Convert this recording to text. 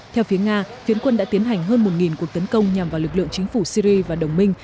theo phía nga phiến quân đã tiến hành hơn một cuộc tấn công nhằm vào lực lượng chính phủ syri và đồng minh